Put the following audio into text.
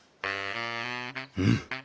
うん？